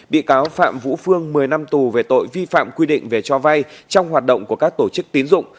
bị cáo phạm vũ phương một mươi năm tù về tội vi phạm quy định về cho vay trong hoạt động của các tổ chức tín dụng